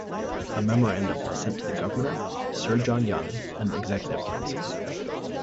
A memorandum was sent to the Governor, Sir John Young and the Executive Council.